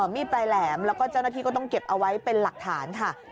มีดปลายแหลมแล้วก็เจ้าหน้าที่ก็ต้องเก็บเอาไว้เป็นหลักฐานค่ะ